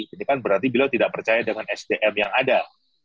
ini kan berarti beliau tidak percaya dengan sdm yang ada